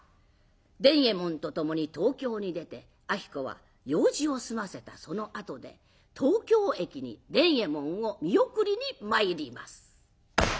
伝右衛門と共に東京に出て子は用事を済ませたそのあとで東京駅に伝右衛門を見送りに参ります。